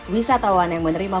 wisatawan yang menerima